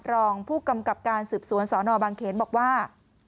รองผู้กำกับการสืบสวนสนบางเขนบอกว่า